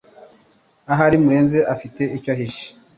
Ahari murenzi afite icyo ahisha